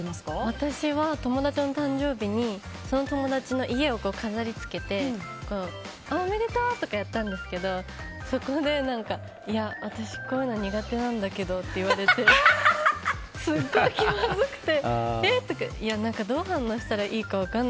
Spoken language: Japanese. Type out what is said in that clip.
私は友達の誕生日にその友達の家を飾り付けておめでとう！とかやったんですけどそこで何か、いや、私こういうの苦手なんだけどって言われてすごい気まずくて。